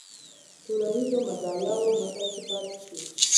ټولنیزو مزایاوو متکي پاتې شي.